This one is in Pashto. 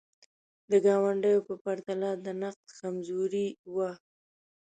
د ګاونډیو په پرتله د نقد کمزوري وه.